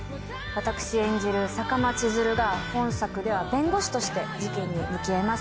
私演じる坂間千鶴が本作では弁護士として事件に向き合います。